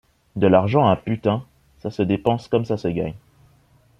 De l’argent à putains, ça se dépense comme ça se gagne